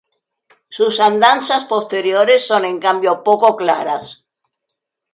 Sus andanzas posteriores son en cambio poco claras.